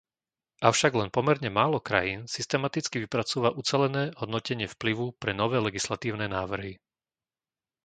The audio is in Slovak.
Avšak len pomerne málo krajín systematicky vypracúva ucelené hodnotenie vplyvu pre nové legislatívne návrhy.